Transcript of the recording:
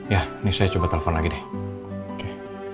ya ini saya coba telepon lagi deh